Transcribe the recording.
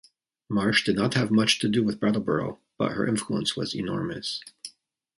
Marsh did not have much to do with Brattleboro, but her influence was enormous.